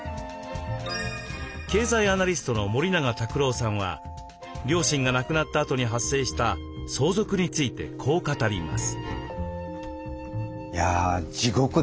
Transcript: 経済アナリストの森永卓郎さんは両親が亡くなったあとに発生した相続についてこう語ります。